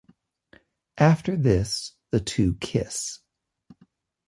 After this, the two kiss.